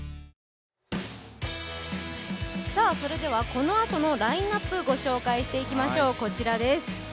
このあとのラインナップご紹介していきましょう、こちらです。